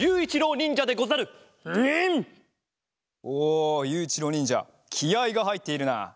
おゆういちろうにんじゃきあいがはいっているな。